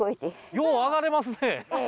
よう上がれますね！